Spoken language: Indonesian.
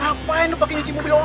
ngapain lu pake nyuci mobil orang